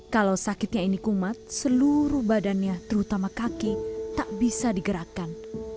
kalau sakitnya ini kumat seluruh badannya terutama kaki tak bisa digerakkan